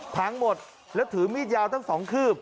พังหมดแล้วถือมีดยาวทั้งสองคืบ